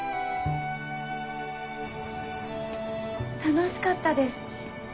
楽しかったです。